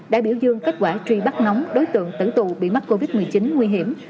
đại biểu dương kết quả truy bắt nóng đối tượng tấn tù bị mắc covid một mươi chín nguy hiểm